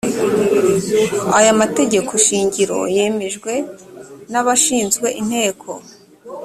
aya mategeko shingiro yemejwe n abashinzwe inteko